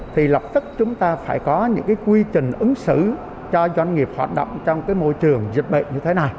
thì lập tức chúng ta phải có những quy trình ứng xử cho doanh nghiệp hoạt động trong môi trường dịch bệnh như thế này